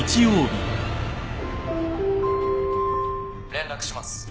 連絡します。